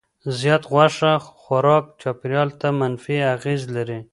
زیات غوښه خوراک چاپیریال ته منفي اغېز لري.